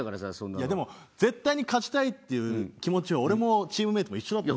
いやでも絶対に勝ちたいっていう気持ちは俺もチームメートも一緒だった。